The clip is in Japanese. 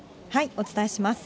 お伝えします。